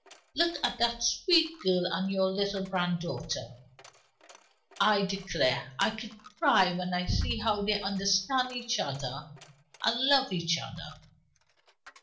Look at that sweet girl and your little granddaughter! I declare I could cry when I see how they understand each other and love each other.